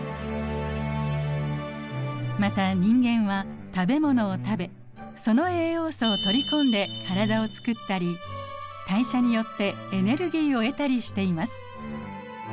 また人間は食べ物を食べその栄養素を取り込んで体をつくったり代謝によってエネルギーを得たりしています。